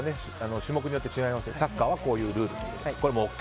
種目によって違いますがサッカーはこういうルールということでこれはＯＫ